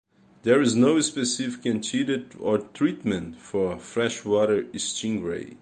There is no specific antidote or treatment for freshwater stingray.